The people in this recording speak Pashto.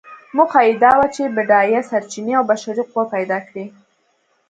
موخه یې دا وه چې بډایه سرچینې او بشري قوه پیدا کړي.